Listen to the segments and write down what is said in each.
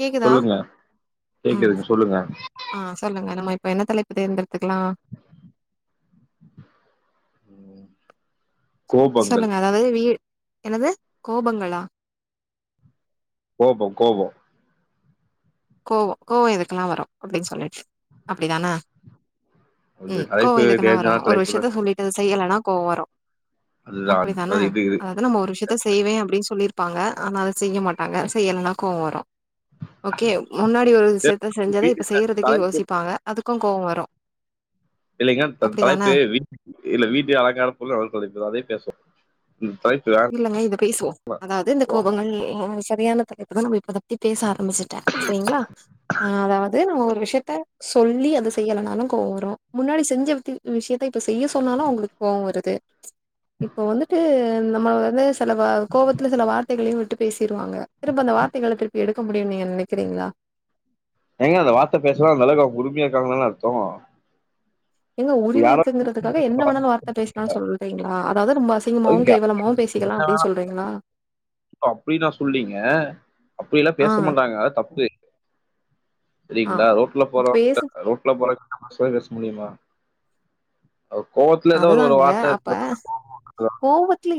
கேக்குதா சொல்லுங்க கேக்குதுங்க சொல்லுங்க ப்ப என்ன தலைப்பு தேர்ந்தெடுத்துக்லா கோபங்கள் சொல்லுங்க அதாது [unintelligible] என்னது கோபங்களா கோபம் கோவொ கோவொ கோவொ எதுக்கெல்லா வரு அப்டின்னு சொல்லிட்டு அப்டிதான அது உம் கோவொ தலைப்பு எதுக்குல்லா வரு டேஞ்சரான ஒரு தலைப்பு தான் விஷ்யத்த சொல்லிட்டு செய்யலனா கோவ் வரூ அதுதான் அப்புடிதான அது இது இது அதுல நம்ம ஒரு விஷ்யத்த செய்வே அப்டின் சொல்லி ப்பாங்க ஆனா அத செய்ய மாட்டாங்க செய்யலனா கோவ வரு கே முன்னாடி ஒரு விஷ்யத்த செஞ்சத இப்ப வீட்டுல செய்றதுக்கே தலைப்பு யோசிப்பாங்க அதுக் கு கோவ வரும் இல்லைங்க தன் தலைப்பே வீட் இல்ல வீட்டு அலங்கார போல [unintelligible] அதே பேசுவோ இல்லங்க இத பேசுவோ அதாது இந்த போ- கோபங்கள் [unintelligible] வியானத்த இப்பதா நம்ம‌ இப்பதபத்தி பேச ஆர ம்மிசுட்டே சேரிங்களா ஆ அதாவது நம்ம ஒரு விஷ்யத்த சொல்லி அத செய்யலனாலு கோவ வரு முன்னாடி செஞ்ச வித்து விஷ்யத்த இப்ப செய்ய சொன்னாலு அவுங்களுக் கோவ வருது இப்போ வந்துட்டு நம்ம வந்து செல வ கோவத்துல செல வார்த்தைகளையு விட்டு பேசிருவாங்க திருப்ப அந்த வார்த்தைகள திருப்பி எடுக்க முடியுன் நீங்க நெனைக்கிறீங்களா ஏங்க அந்த வார்த்த பேசுரோ அந்த அளவுக்கு அவுங்க உறுமையா இருக்காங்கதான அர்த்தோ எங்க உரிமை இருக்குங்குறதுக்காக என்ன வெனாலு வார்த்த பேசிக்கிலா சொல்றீங்களா அதாவது ரொம்ப அதுவும் அசிங்கமாவு கேவலமாவு பேசிக்கலா அப்டின் சொல்றீங்ளா அப்டி நா சொல்லீங்க அப்டியெல்லா ஆ, பேச மாட்டாங்க அது தப்பு ஆ செரிங்ளா ரோட்ல அப்ப போறொ பேசு ரோட்ல போற [unintelligible] முடியுமா அ கோவத்ல எதொ ஒரு ஒரு அதுதாங்க வார்த்த [unintelligible]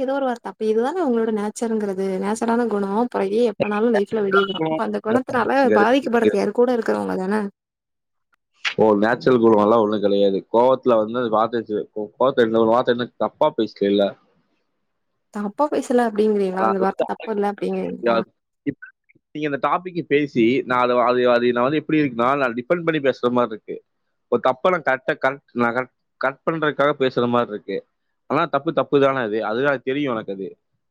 தோ ஒரு வார்த்த அப்ப இதுதான ஒங்ளோட நேச்சருங்கிறது நேச்சரான குணோ [unintelligible] எப்பனாலு லைஃப்ல விடியதுதா தான். ப அந்த இங்க கொணத்துனால இருக்கு, இங்க இருக்கு, பாதிக்கப்பட்றது யாரு கூட இருக்குறவுங்க தான ஓ நேச்சுரல் குணொ எல்லா ஒண்ணு கெடையாது கோவத்துல வந்து வார்த்த [unintelligible] வார்த்த என்ன தப்பா பேசலல்ல தப்பா பேச சல அப்டிங்கிறீங்ளா அந்த வார்த்த தப்புல்ல அப்பிடிங்கிறீங்ளா நான் அது அது நான் வந்து எப்படி இருக்குனாலும் நான் டிபெண்ட் பண்ணி பேசுற மாதிரி இருக்கு ஒரு தப்ப நான் கரெகா கரெக் நான் கர கரெக்ட் பண்றதுக்காக பேசுற மாதிரி இருக்கு ஆனா தப்பு தப்பு தானே அது அதுன அது தெரியும் எனக்கு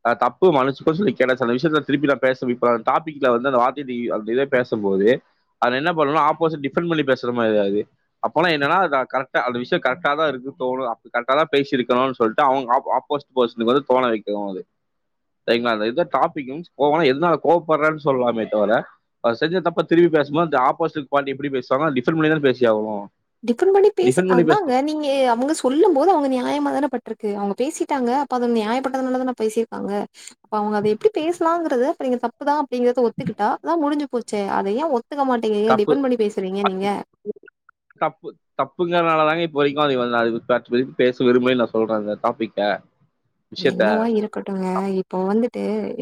அது தப்பு மனுசுக்கும் சொல்ல கடா செல விஷயல திருப்பில்ல பேச இப்பந்தபிக்ல வந்து அந்த வார்த்தை பேசும்போது அத என்ன பண்ணும் ஆப்போசிட் டிஃபண்ட் பண்ணி பேசுற மாதிரிாது அப்போல்லாம்னன்னா கரெகா அந்த விஷய கரெக்ட தான் இருக்குணும் கரக்டா தான் பேசிருக்கணும்னு சொல்லிட்டு அவங்க ஆப் ஆப்போசிட் பர்சனுக்கு வந்து தோண வைக்கனு அது செரிங்களா இத டாபிக் வந்து எதனால கோவப்படுறன்னு சொல்லலாமே தவிர அவ செஞ்ச தப்ப திருப்பி பேசும்போது அ ஆப்போசிட் பாரி எப்படி பேசுவாங்க டிஃபேன்ட் பண்ணி தான் பேசியாகனும் டிஃபன் பண்ணி பேச அதாங்க நீங்க அவங்க சொல்லும் போது அவங்க நியாயமா தானே பட்டிருக் அவங்க பேசிட்டாங்க அப்ப அத நியாயப்பட்டதுனால தான் நான் பேசியிருக்காங்க அப்ப அவங்க அத எப்படி பேசலாங்கறதுங்க தப்புதான் நீடிங்கத ஒத்துக்கிட்டா அதான் முடிஞ்சு போச்சே அத ஏன் ஒத்துக்க மாட்டீங்க ஏங்க தப்பு டிபெண்ட் பண்ணி பேசுறீங்க நீங்க தப்புங்கறதுனால தாங்க இப்போ வரைக்கும் அது வந்து வா பேச விரும்பேன்னு நான் சொல்றேன் இந்த டாபிக்க விஷயத்த என்னவா இருக்கட்டும்ங்க இப்போ வந்து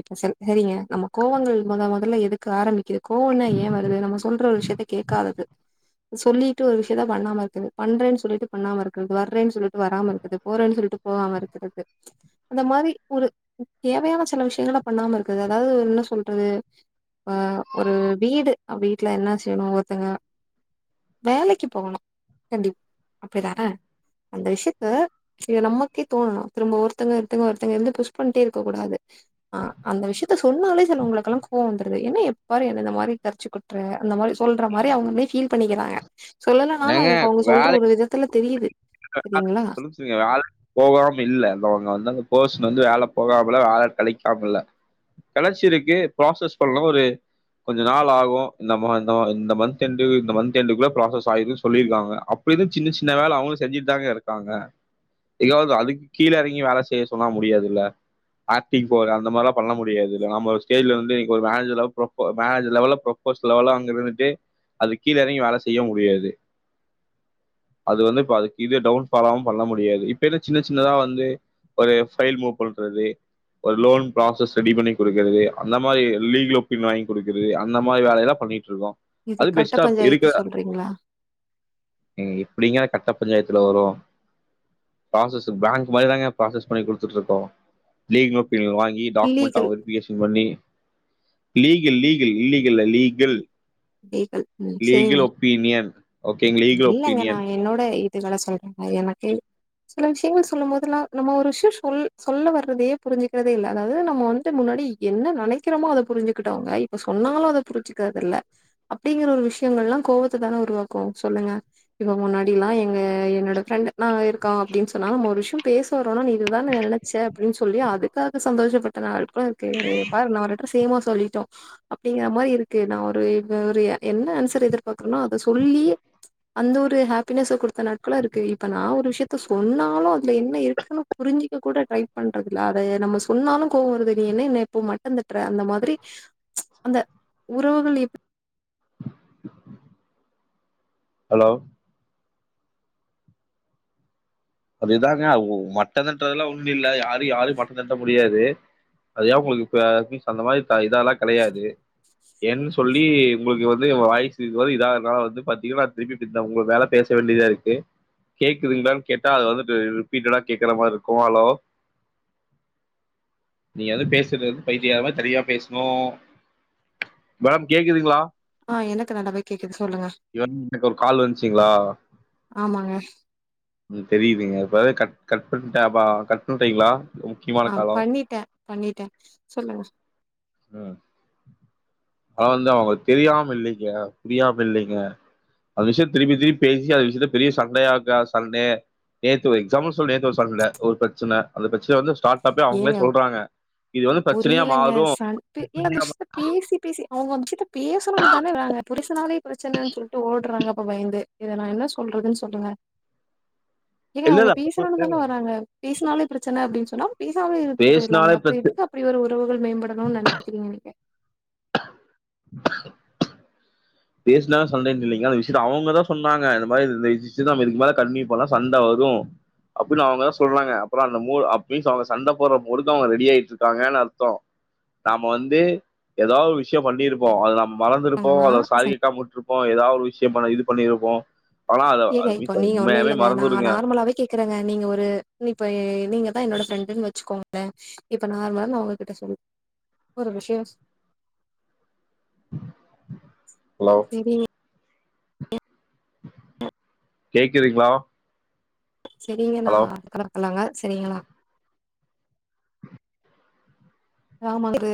இப்ப சரிங்க நம்ம கோவங்கள் முத முதல்ல எதுக்கு ஆரம்பிக்குது கோவம்னா ஏன் வருது நம்ம சொல்ற ஒரு விஷயத்த கே்காதது சொல்லிட்டு ஒரு விஷயத்தான் பண்ணாம இருக்குது பண்றேன்னு சொல்லிட்டு பண்ணாம இருக்கிறது வர்றேன்னு சொல்லிட்டு வராம இருக்குது போறேன்னு சொல்லிட்டு போகாம இருக்கிறது அந்த மாதிரி ஒரு தேவையான சில விஷயங்க பண்ணாம இருக்குது அதாவது என்ன சொல்றது ஆஹ் ஒரு வீடு வீட்டு என்ன செய்யணும் ஒருத்தங்க வேலைக்கு போகணும் கண்டிப்ப அப்படிதானே அந்த விஷயத்த ச நமக்கே தோணணும் திரும்ப ஒருத்தங்க ஒருத்தங்க ஒருத்தங்க இருந்து புஷ் பண்ணிட்டே இருக்க கூடாது ஆஹ் அந்த விஷயத்த சொன்னாலே சில உங்களுக்குெல்லாம் கோவம் வந்தது ஏா எப்பாரு என் இந்த மாரி கரச்சிகுட்டுற அந்த மாரி சொல்ற மாரி அவங்கலே பீல் பண்ணிக்றாங்க [inaudible] ஏங்க தெரியுது சரிங்களா வேலைச்சுருங்க வேலை போகாம இல்ல ங்கர் வந்து வேலை போகாமல வேலை கிடைிக்காம இல்ல கிடைச்ச இருக்கு ப்சஸ் பண்ணலாம் ஒரு கொஞ்சம் நாள் ஆகும் இந்த மன்த்எண்டுகுள்ள ப சொல்லிருக்காங்க அப்படித சின்ன சின்ன வேலை அவங்கும் செஞ்சுட்டு தாங்க இருக்காங்க அதுக்கு கீழே இறங்கி வேலை செய்ய சொன்ன முடியாது இல்ல ஆக்டிங் போ அந்த மாதிராம் பண்ண முடியாது நம்ம ஒரு்டேஜல ஒருஜர் ரோஸ் லல அங்க இருந்துட்டு அது கீழே இறங்கி வேலை செய்ய முடியாது அது வந்து அதுவும் டோவ்ன்பாள பண்ண முடியாது இப்ப சின்ன சின்னதா வந்து ஒருல் மூவ் பண்றது ஒரு லோன் பசஸ் ரெடி பண்ணிடுக்கது அந்த மாதிரி லீல் ஒப்ப வாங்கி குடுக்குிறது அந்த மாதிரி வேலைாம் பண்ணிட்டு இருக்கோம் இது கட்ட பஞ்சாயத்து சொல்றீங்க இ அப்படிங்க கட்ட பஞ்சாயத்துல வரும் ப்ரோஸ்ஸஸ் பேங்க் மாதிரி தான்கா ப்ரோஸ்ஸஸ் பண்ணி கொடுத்துட்டு இருக்கோம் வாங்கி டாக்குமெண்ட் இல்லீகல் அவங்க பிகேஷ் பண்ணி லீகல் லீகல் இல்லீகல் அ லீகல் உம் லீகல் சரிங்க ஒப்பீனியன் ஓகே லீக லீகல் ஒபீனியன் இது வேளை சொல்றாங்க எனக்கு சில விஷயங்கள் சொல்லும் போதெல்லாம் நம்ம ஒரு விஷயம் சொ சொல்ல வர்றதையே புரிஞ்சுக்கிறதே இல்லலை அதாவது நம்ம வந்துட்டு முன்னாடி என்ன நினைக்கிறோமோ அதை புரிஞ்சுகிட்டவங்க இப்ப சொன்னாலும் அதை புரிஞ்சுக்கிறது இல்ல அப்படிங்கிற ஒரு விஷயங்கள எல்லாம் கோவத்தை தானே உருவாக்கும் சொல்லுங்க இப்ப முன்னாடி எல்லாம் எங்க என்னோட ஃப்ரெண்ட் ந இருக்கம் அப்படின்னு சொன்னா நம்ம ஒரு விஷயம் பேச வரோன நீ இதுதான் நினைச்ச அப்படின்னு சொல்லி அதுக்காக சந்தோஷப்ப [inaudible] ங்க இருக்கு பாரு ந அவிட்ட சேமா சொல்லி அப்படிங்கிற மாதிரி இருக்கு நான் ஒரு என்ன ஓரு ஆன்சர் எதிர்பார்க்கறனோ அத சொல்லி அந்த ஒரு ஹாப்பினஸ்ஸ கொடுத் நாட்கள இருக்கு இப்ப நான் ஒரு த்த சொன்னாலும் இ என்ன இருக்குன்னு புரிஞ்சு கூட ட்ரை பண்றதுல்ல அதை நம்ம சொன்னாலும் கோவம்றது நீ என்ன என்ன இப்போ மட்ட தட்டுற அந்த மாதிரி ச்சு அந்த உறவுகள் எப் [inaudible] ஹலோ அது தாங்க மட்ட தட்றதெல்லா ஒண்ணு இல்ல யா யாரும் மட்ட தட்ட முடியாது அது ஏ உங்குளுக்கு இப்ப அந்த மாரி அது இதெல்லா கிடையாது என் சொல்லி உங்குளுக்கு வந்து வாய்ஸ்ஸு இதுவர இதாகுறனால வந்து பாத்தீங்கனா திருப்பி உங்க மேல பேச வேண்டியதா இருக்கு கேக்குதுங்களானு கே அது வந்துட்டு ரிப்பிட்டடா கேக்குற மாரி இருக்கும் ஹலோ நீயாது பேசிட்டு இரு பயித்தியகார மாரி தனியா பேசுணு மேம் கேக்குதுங்களா ஆ எனக்கு நல்லாவே கேக்குது சொல்லுங்க இவன் எனக்கு ஒரு கால் வந்துச்சுங்களா ஆமாங்க நீங்க இப்ப ஏதும் கட் பன்னிடீங்களா ஆ பண்ணிட்டே பண்ணிட்டே சொல்லுங்க அதா வந்து அவுங்க தெரியாம இல்லிங்க புரியாம இல்லிங்க அந்த விஷயம் திருப்பி திருப்பி பேசி அந்த விஷயத்த பெரிய சண்டையாக்கா சண்டை நேத்து ஒரு எக்ஸாம்பிள் சொல் நேத்து ஒரு பிரச்சனை அந்த பிரச்சன வந்து ஸாஃட்டா போய் அவுங்களே ஏங்க சொல்றாங்க இது வந்து பிரச்சனையா புரியலங்க மாறும் அவுங்க அந்த விசயத்த பேசணு தானே வறாங்க பேசனாலே பிரச்சனைனு சொல்லிட்டு ஓடுறாங்க அப்ப பயந்து இத நா என்னனு சொல்றது சொல்லுங்க ஏங்க இல்ல அவுங்க இல்ல பேசணு தான வராங்க பேசுனாலே பிரச்சனை அப்டினு சொன்னா பேசாமயே இருத்துட்டு பேசினாலே போயிருலாமே அப்றோ பிரச்ச எதுக்கு அப்டி ஒரு உறவுகள் மேம்படணும்னு நனைக்கிறீங்க நீங்க [inaudible] பேசுனால சண்டனு சொன்னீங்க அந்த விஷயத்த அவுங்க தா சொன்னாங்க இந்த மாரி விஷயத்த இதுக்கு மேல கண்டுன்யூ பண்ணா சண்ட வரு அப்டினு அவுங்க தா சொல்றாங்க அப்றோ அவுங்க அப்பயூ சண்ட போடுற மூடுக்கு அவுங்க ரெடி ஆயிட்டு இருக்காங்கனு அர்த்தோ நாம வந்து ஏதாவது ஒரு விஷயோ பண்ணிருப்போ அது நம்ம மறந்து இருப்போ ஆனா காது ச- கேக்காம விட்ருப்போம் ஏதாவது ஒரு விஷயம் இது பண்ணிருப்போ ஏங்க இப்போ நீங்க ஒண்ணு இல்லங்க நா நார்மலாவே கேக்குறங்க நீங்க ஒரு இப்ப நீங்க தா என்னோட ஃரெண்டுனு வச்சுக்கோங்களே இப்ப நார்மலா நா உங்ககிட்ட சொல்ல ஒரு விஷயோ ஹலோ சரிங் கேக்குறீங்களா சரிங்கண்ணா அக்காலா இருக்குறாங்க சரிங்களா ஆமாந்து